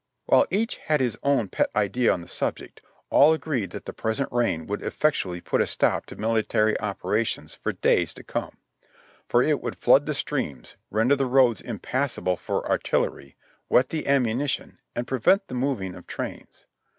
While each had his own pet idea on the subject, all agreed that the present rain would effectually put a stop to military operations for days to come ; for it would flood the streams, render the roads impassable for artillery, wet the ammunition, and prevent the moving of trains.